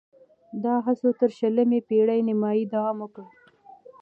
دا هڅو تر شلمې پېړۍ نیمايي دوام وکړ